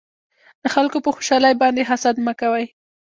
د خلکو په خوشحالۍ باندې حسد مکوئ